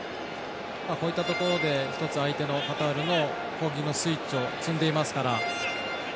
こういったところで一つ、相手のカタールの攻撃のスイッチを摘んでいますから。